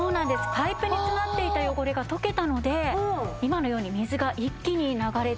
パイプに詰まっていた汚れが溶けたので今のように水が一気に流れだしたわけなんですね。